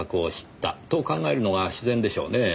と考えるのが自然でしょうねぇ。